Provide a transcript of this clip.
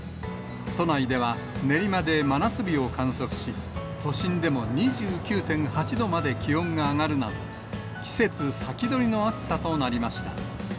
都内では練馬で真夏日を観測し、都心でも２９．８度まで気温が上がるなど、季節先取りの暑さとなりました。